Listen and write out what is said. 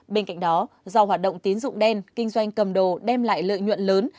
bên cạnh đó do hoạt động tín dụng đen kinh doanh cầm đồ đem lại lợi nhuận lớn